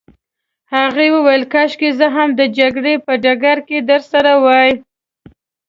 هغې وویل: کاشکې زه هم د جګړې په ډګر کي درسره وای.